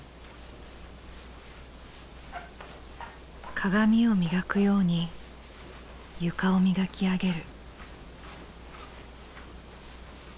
鏡を磨くように床を磨き上げる。